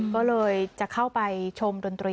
ก็เลยจะเข้าไปชมดนตรี